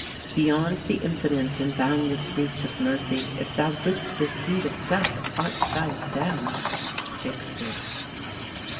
"Beyond the infinite and boundless reach Of mercy, If thou didst this deed of death Art thou damn'd." — Shakespeare.